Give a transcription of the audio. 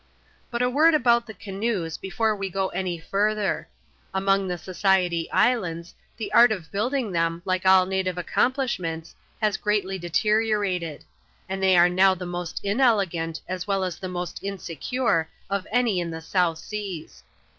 But a word about the canoes, before we go any further. Among the Society Islands, the art of building them, like all native accomplishments, has greatly deteriorated ; and they are now the most inelegant, as well as the most insecure, of any in the South Seas.